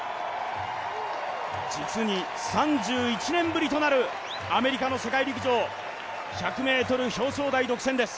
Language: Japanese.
実に３１年ぶりとなるアメリカの世界陸上、１００ｍ表彰台独占です。